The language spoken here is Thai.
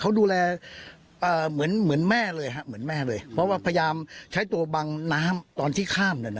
เขาดูแลเหมือนแม่เลยเพราะว่าพยายามใช้ตัวบังน้ำตอนที่ข้าม